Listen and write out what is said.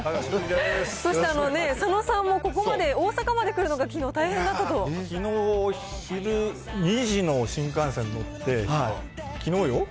そして、佐野さんもここまで、大阪まできのう、昼２時の新幹線に乗って、きのうよ？